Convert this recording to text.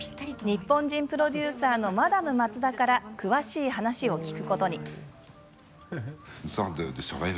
日本人プロデューサーのマダム・マツダから詳しい話を聞くことに。